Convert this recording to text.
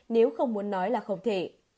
nếu không muốn nói là không thể